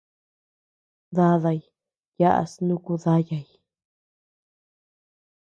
Daday yaás nuku dayay.